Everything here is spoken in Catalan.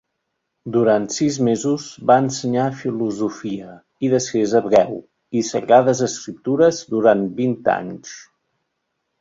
Durant sis mesos va ensenyar filosofia, i després hebreu i sagrades escriptures durant vint anys.